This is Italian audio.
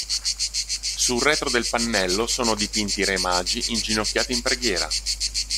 Sul retro del pannello sono dipinti i Re magi inginocchiati in preghiera.